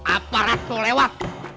apa ratu lewat